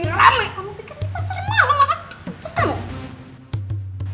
kamu bikin ini pasar malem maka